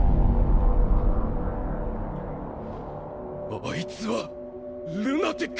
あいつはルナティック！